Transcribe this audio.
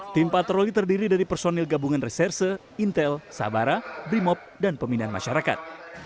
tim patroli terdiri dari personil gabungan reserse intel sabara brimob dan pemindahan masyarakat